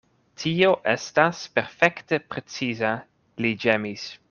Tio estas perfekte preciza, li ĝemis.